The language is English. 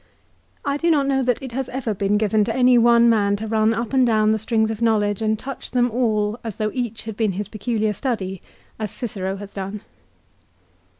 I do not know that it has ever been given to any one man to run up and down the strings of knowledge and touch them all as though each had been his peculiar study, as Cicero has done.